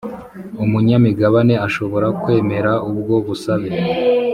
Umunyamigabane ashobora kwemera ubwo busabe